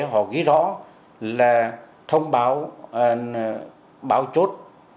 họ ghi rõ là thông báo báo chốt một trăm bốn mươi một